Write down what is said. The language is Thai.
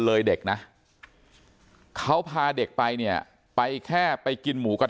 เลยเด็กนะเขาพาเด็กไปเนี่ยไปแค่ไปกินหมูกระท